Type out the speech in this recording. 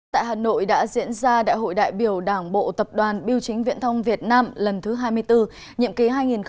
tại hà nội đã diễn ra đại hội đại biểu đảng bộ tập đoàn biêu chính viện thông việt nam lần thứ hai mươi bốn nhiệm ký hai nghìn hai mươi hai nghìn hai mươi năm